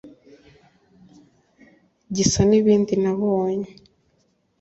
gisa n’ ibindi nabonye